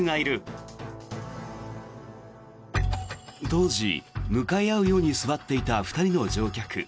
当時、向かい合うように座っていた２人の乗客。